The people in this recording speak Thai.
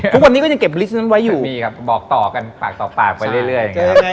ผมมีลิสต์ไว้ให้เลย